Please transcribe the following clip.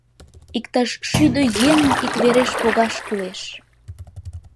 Иктаж шӱдӧ еҥым иквереш погаш кӱлеш...